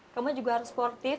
kamu juga harus sportif